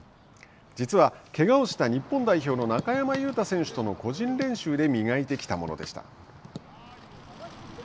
実は、けがをした日本代表の中山雄太選手との個人練習で磨いてきたものでした。